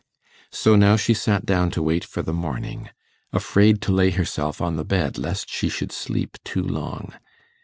So now she sat down to wait for the morning, afraid to lay herself on the bed lest she should sleep too long.